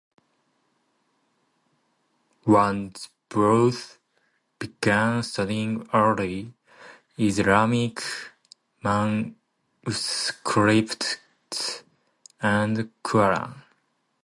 Wansbrough began studying early Islamic manuscripts and the Quran.